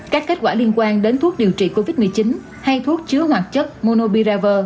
các kết quả liên quan đến thuốc điều trị covid một mươi chín hay thuốc chứa hoạt chất monobiraver